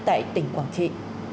tại tỉnh quảng kỵ